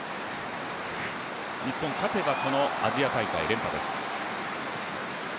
日本、勝てばアジア大会連覇です。